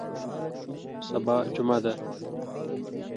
سبا جمعه ده